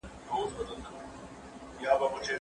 که مادي ژبه وي، نو د پوهې په رسولو کې خنډ نه وي.